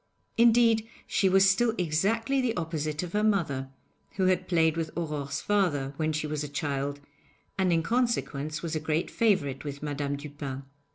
Indeed, she was still exactly the opposite of her mother, who had played with Aurore's father when she was a child, and in consequence was a great favourite with Madame Dupin.